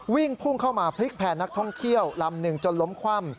วิ่งพุ่งเข้ามาพลิกแผ่นนักท่องเที่ยวลำหนึ่งจนล้มคว่ำ